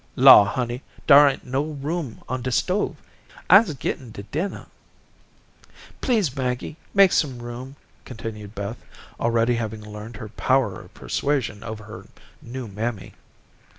"Law, honey, dar ain't no room on de stove. I's gettin' de dinnah." "Please, Maggie, make room," continued Beth, already having learned her power of persuasion over her new mammy.